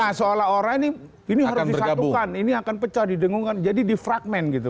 nah soalnya orang ini harus disatukan ini akan pecah didengungkan jadi difragmen gitu